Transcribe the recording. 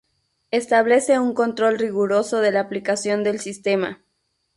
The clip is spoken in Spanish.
Establece un control riguroso de la aplicación del sistema.